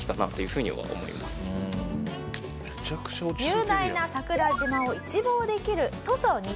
雄大な桜島を一望できる唐湊２